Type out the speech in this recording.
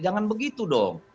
jangan begitu dong